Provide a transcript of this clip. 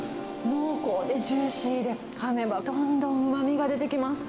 濃厚でジューシーで、かめばどんどんうまみが出てきます。